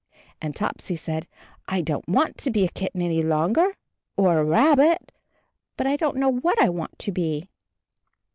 And Topsy said, "I don't want to be a kitten any longer, or a rabbit, but I don't know what I want to be."